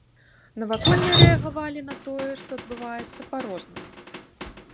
Навакольныя рэагавалі на тое, што адбываецца, па-рознаму.